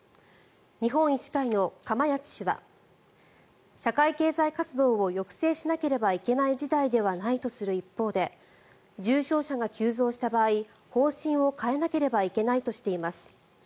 日本医師会の釜萢氏は社会経済活動を抑制しなければいけない事態ではないとする一方で重症者が急増した場合、方針を変えなければいけないとしています。